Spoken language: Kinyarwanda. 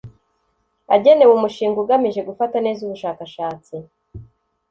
agenewe Umushinga Ugamije Gufata neza ubushakashatsi